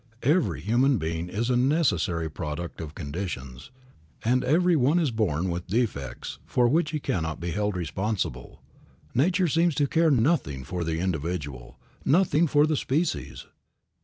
Every human being is a necessary product of conditions, and every one is born with defects for which he cannot be held responsible. Nature seems to care nothing for the individual, nothing for the species.